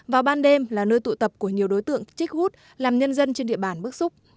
vào ban đêm là nơi tụ tập của nhiều đối tượng trích hút làm nhân dân trên địa bàn bức xúc